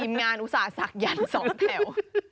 งานอุตส่าหักยันต์สองแถว